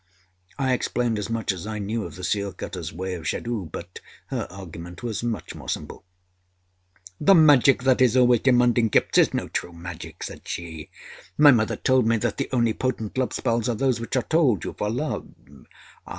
â I explained as much as I knew of the seal cutter's way of jadoo; but her argument was much more simple: âThe magic that is always demanding gifts is no true magic,â said she. âMy mother told me that the only potent love spells are those which are told you for love.